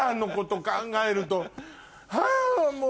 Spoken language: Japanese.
はぁもう。